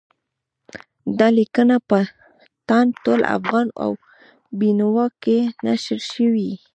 دا لیکنه په تاند، ټول افغان او بېنوا کې نشر شوې ده.